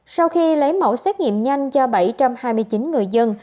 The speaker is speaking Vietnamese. sau khi lấy mẫu xét nghiệm nhanh cho bảy trăm hai mươi chín người dân